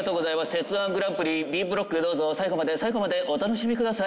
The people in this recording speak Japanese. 鉄−１グランプリＢブロックどうぞ最後まで最後までお楽しみください。